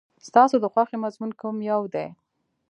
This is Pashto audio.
ستاسو د خوښې مضمون کوم یو دی؟